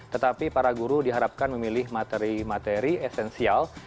tetapi para guru diharapkan memilih materi materi esensial